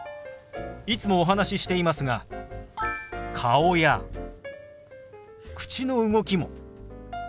いつもお話ししていますが顔や口の動きも手話の一部ですよ。